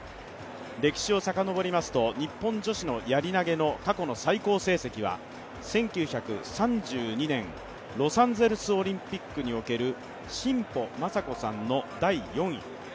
歴史を遡りますと、日本女子のやり投げ過去の最高成績は１９３２年ロサンゼルスオリンピックにおける真保正子さんの第４位。